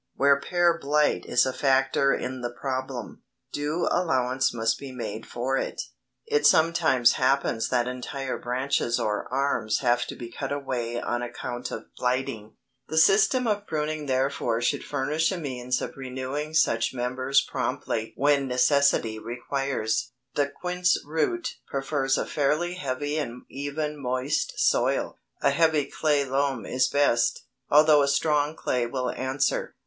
Where pear blight is a factor in the problem, due allowance must be made for it. It sometimes happens that entire branches or arms have to be cut away on account of blighting. The system of pruning therefore should furnish a means of renewing such members promptly when necessity requires. [Illustration: FIG. 30 ORCHARD OF DWARF DUCHESS PEARS, LOCKPORT, N. Y.] The quince root prefers a fairly heavy and even moist soil. A heavy clay loam is best, although a strong clay will answer.